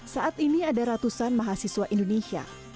saat ini ada ratusan mahasiswa indonesia